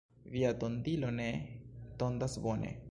Via tondilo ne tondas bone.